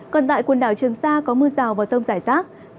còn tại quần đảo trường sa có mưa rào và rông rải rác